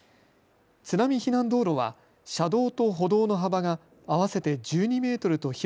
津波避難道路は車道と歩道の幅が合わせて１２メートルと